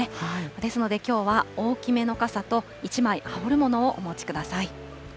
ですので、きょうは大きめの傘と１枚、羽織るものをお持ちください。